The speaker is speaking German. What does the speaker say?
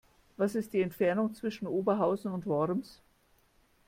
Was ist die Entfernung zwischen Oberhausen und Worms?